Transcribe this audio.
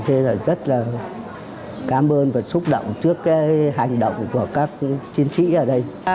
thế là rất là cảm ơn và xúc động trước cái hành động của các chiến sĩ ở đây